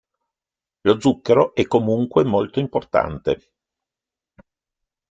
Lo zucchero è comunque molto importante.